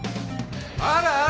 あら！